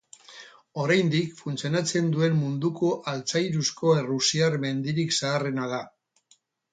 Oraindik funtzionatzen duen munduko altzairuzko errusiar mendirik zaharrena da.